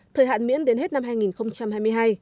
thời hạn miễn đến hết năm hai nghìn hai mươi hai